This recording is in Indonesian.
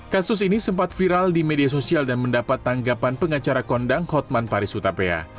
kasus ini sempat viral di media sosial dan mendapat tanggapan pengacara kondang hotman paris utapia